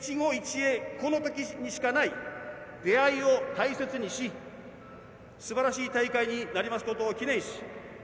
このときにしかない出会いを大切にし素晴らしい大会になりますことを祈念し